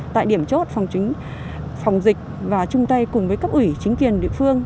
tại điểm chốt phòng dịch và chung tay cùng với các ủy chính kiền địa phương